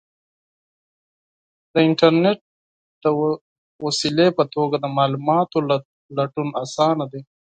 د انټرنیټ د وسیلې په توګه د معلوماتو لټون آسانه دی.